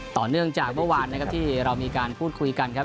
ต่อเนื่องจากเมื่อวานนะครับที่เรามีการพูดคุยกันครับ